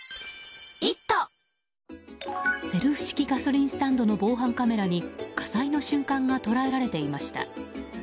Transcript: セルフ式ガソリンスタンドの防犯カメラに火災の瞬間が捉えられていました。